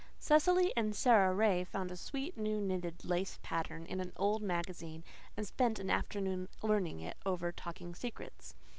Cecily and Sara Ray found a "sweet" new knitted lace pattern in an old magazine and spent a happy afternoon learning it and "talking secrets."